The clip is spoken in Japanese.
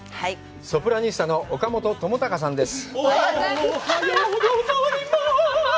ソプラニスタの岡本知高さんです。